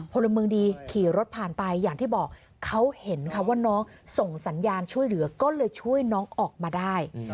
พลเมืองดีขี่รถผ่านไปอย่างที่บอกเขาเห็นค่ะว่าน้องส่งสัญญาณช่วยเหลือก็เลยช่วยน้องออกมาได้